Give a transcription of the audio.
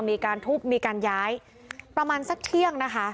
มีการทุบมีการย้ายประมาณสักเที่ยงนะคะ